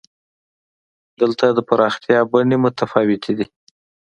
دلته د پراختیا بڼې متفاوتې دي.